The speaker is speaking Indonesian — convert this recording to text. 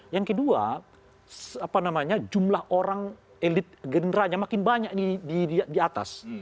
yang kedua jumlah orang elit gerindranya makin banyak di atas